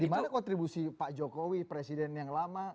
gimana kontribusi pak jokowi presiden yang lama